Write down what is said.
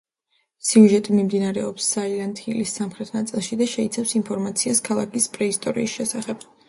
სიუჟეტი მიმდინარეობს საილენტ ჰილის სამხრეთ ნაწილში და შეიცავს ინფორმაციას ქალაქის პრეისტორიის შესახებ.